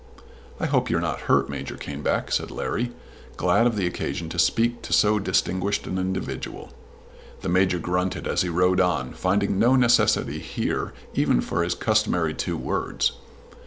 "I hope you're not hurt, Major Caneback," said Larry, glad of the occasion to speak to so distinguished an individual. The Major grunted as he rode on, finding no necessity here even for his customary two words.